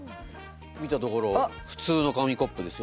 見たところ普通の紙コップですよね。